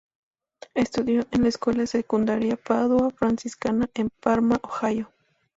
Estudió en la Escuela Secundaria Padua Franciscana en Parma, Ohio.